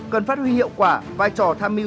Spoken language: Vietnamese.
cần phát huy hiệu quả vai trò tham mưu